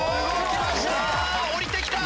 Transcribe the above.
きました！